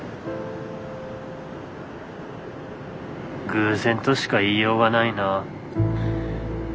偶然としか言いようがないな。